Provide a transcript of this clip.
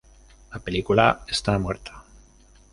La película está muerta.